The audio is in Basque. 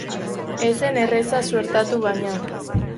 Ez zen erreza suertatu baina.